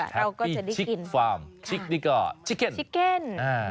แฮปปี้ชิคฟาร์มชิคดีกว่าชิคเก็น